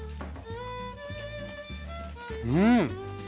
うん！